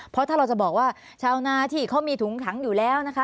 เพราะถ้าเราจะบอกว่าชาวนาที่เขามีถุงขังอยู่แล้วนะคะ